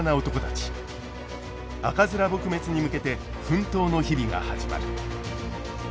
赤面撲滅に向けて奮闘の日々が始まる。